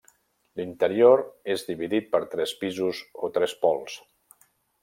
L'interior és dividit per tres pisos o trespols.